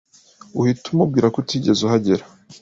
uhite umubwira ko utigeze uhagera